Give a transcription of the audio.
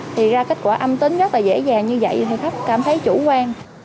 thì ra kết quả âm tính rất là dễ dàng như vậy thì khách cảm thấy chủ quan